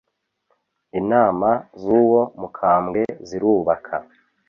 inama z’uwo mukambwe zirubaka